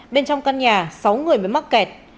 bên trong căn nhà sáu người bị mắc kẹt